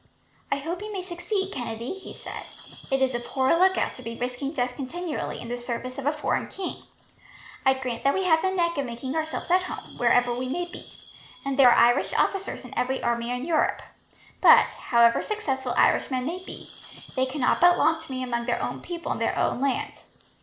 "I hope you may succeed, Kennedy," he said. "It is a poor lookout to be risking death continually in the service of a foreign king. I grant that we have the knack of making ourselves at home, wherever we may be, and there are Irish officers in every army in Europe; but, however successful Irishmen may be, they cannot but long to be among their own people in their own land.